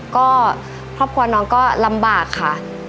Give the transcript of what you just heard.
ก็ครอบครัวน้องก็ลำบากค่ะ